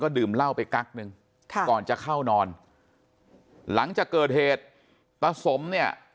ดื่มเหล้าไปกั๊กนึงค่ะก่อนจะเข้านอนหลังจากเกิดเหตุตาสมเนี่ย